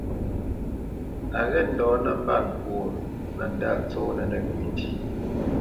A ghê ndɔ̌ nəmbat ŋkwó mə ndâ tsónə́ mbá ntí.